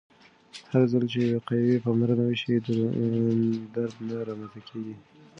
هرځل چې وقایوي پاملرنه وشي، دروند درد نه رامنځته کېږي.